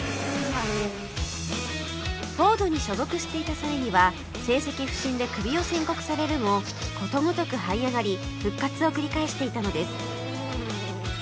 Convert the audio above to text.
フォードに所属していた際には成績不振でクビを宣告されるもことごとくはい上がり復活を繰り返していたのです